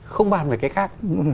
không ban về cái khác